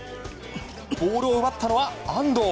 ボールを奪ったのは安藤。